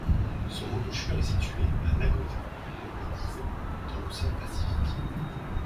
Son embouchure est située à Nagoya, en baie d'Ise, dans l'océan Pacifique.